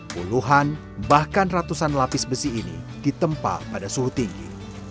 puluhan bahkan ratusan lapis besi ini ditempa pada suhu tinggi